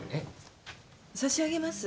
差し上げます。